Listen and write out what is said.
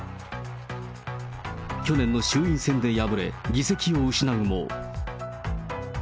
去年の衆院選で敗れ、議席を失うも。